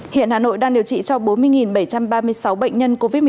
hiện hà nội đang điều trị cho bốn mươi bảy trăm ba mươi sáu bệnh nhân covid một mươi chín